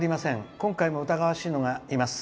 今回も疑わしいのがいます。